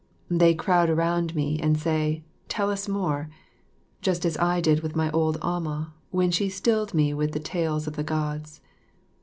They crowd around me and say, "Tell us more," just as I did with my old amah when she stilled me with the tales of the Gods.